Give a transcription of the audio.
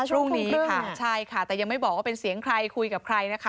พรุ่งนี้ค่ะใช่ค่ะแต่ยังไม่บอกว่าเป็นเสียงใครคุยกับใครนะคะ